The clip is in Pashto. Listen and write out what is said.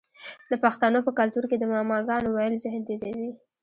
د پښتنو په کلتور کې د معما ګانو ویل ذهن تیزوي.